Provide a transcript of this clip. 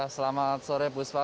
selamat sore puspa